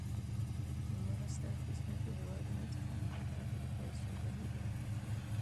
د مرسته اخیستونکو هېوادونو څخه امریکا ته د پیسو بهیر راماتیږي.